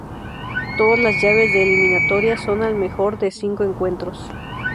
Todas las llaves de eliminatorias son al mejor de cinco encuentros.